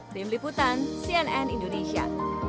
tim liputan cnn indonesia